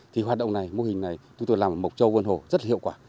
thì hoạt động này mô hình này chúng tôi làm mộc châu quân hồ rất hiệu quả